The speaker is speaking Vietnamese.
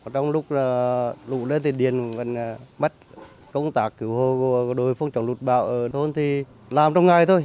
trong lúc lũ lên thì điền mất công tác cứu hô đôi phong trọng lụt bạo ở thôn thì làm trong ngày thôi